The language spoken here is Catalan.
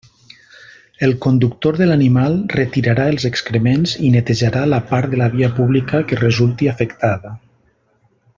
El conductor de l'animal retirarà els excrements i netejarà la part de la via pública que resulti afectada.